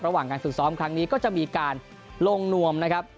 การฝึกซ้อมครั้งนี้ก็จะมีการลงนวมนะครับ